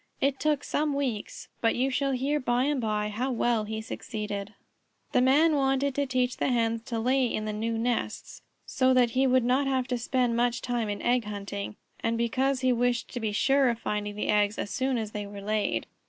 It took some weeks, but you shall hear by and by how well he succeeded. The Man wanted to teach the Hens to lay in the new nests, so that he would not have to spend much time in egg hunting, and because he wished to be sure of finding the eggs as soon as they were laid.